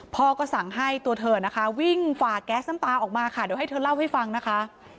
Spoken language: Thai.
พ่อก็สั่งให้ตัวเธอนะคะวิ่งฝ่าแก๊สน้ำตาออกมาค่ะเดี๋ยวให้เธอเล่าให้ฟังนะคะ